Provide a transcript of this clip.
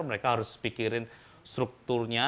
mereka harus pikirin strukturnya